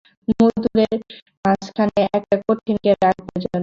মধুরের মাঝখানে একটা কঠিনকে রাখবার জন্যে।